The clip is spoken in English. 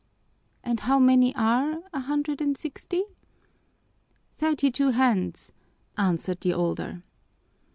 And how many are a hundred and sixty?" "Thirty two hands," answered the older.